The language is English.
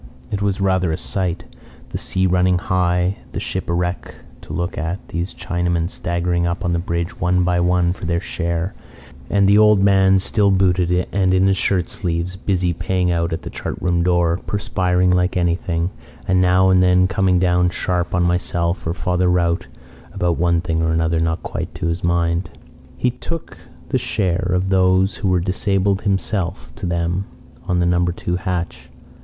It was rather a sight: the sea running high, the ship a wreck to look at, these Chinamen staggering up on the bridge one by one for their share, and the old man still booted, and in his shirt sleeves, busy paying out at the chartroom door, perspiring like anything, and now and then coming down sharp on myself or Father Rout about one thing or another not quite to his mind. He took the share of those who were disabled himself to them on the No. 2 hatch.